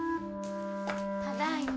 ただいま。